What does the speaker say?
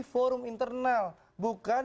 forum internal bukan